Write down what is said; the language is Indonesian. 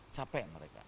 capek mereka ya